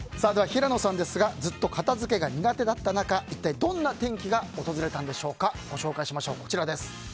平野さんですがずっと片付けが苦手だった中一体、どんな転機が訪れたんでしょうか。